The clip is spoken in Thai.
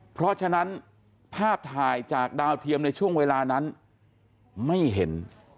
เพราะฉะนั้นภาพถ่ายจากดาวเทียมในช่วงเวลานั้นไม่เห็น